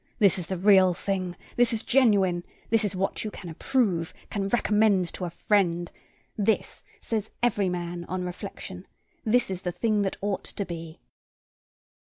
this is the real thing this is genuine this is what you can approve, can recommend to a friend: this says every man, on reflection this is the thing that ought to be!"